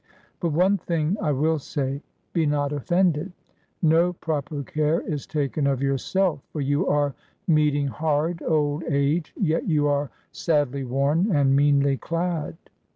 But one thing I will say; be not offended. No proper care is taken of yourself; for you are meeting hard old age, yet you are sadly worn and meanly clad.